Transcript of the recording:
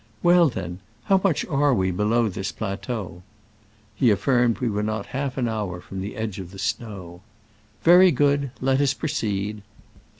Well, then, how much are we below this plateau ?" He affirmed we were not half an hour from the edge of the snow. "Very good : let us proceed.